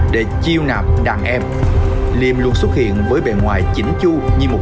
để chiêu nạp đàn em liêm luôn xuất hiện với bề ngoài chỉnh chu như một doanh nhân thành đạt